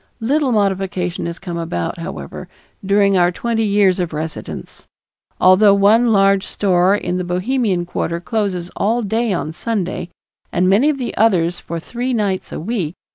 Little modification has come about, however, during our twenty years of residence, although one large store in the Bohemian quarter closes all day on Sunday and many of the others for three nights a week.